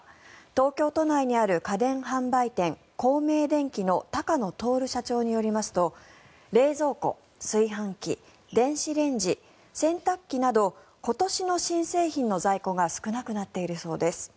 東京都内にある家電販売店光明電機の高野亨社長によりますと冷蔵庫、炊飯器、電子レンジ洗濯機など今年の新製品の在庫が少なくなっているそうです。